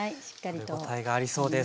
食べ応えがありそうです。